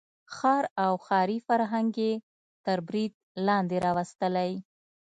ښار او ښاري فرهنګ یې تر برید لاندې راوستلی.